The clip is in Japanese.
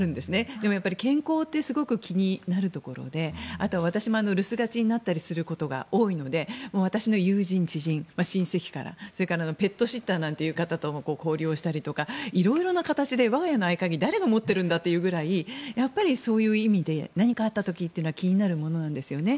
でも、健康ってすごく気になるところであとは私も留守がちになったりすることが多いので私の友人、知人、親戚からそれからペットシッターという方と交流をしたりとか色々な形で我が家の合鍵誰が持ってるんだというぐらいそういう意味で何かあった時って気になるものなんですね。